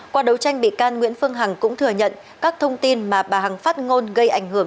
qua đấu tranh bị can nguyễn phương hằng cũng thừa nhận các thông tin mà bà hằng phát ngôn gây ảnh hưởng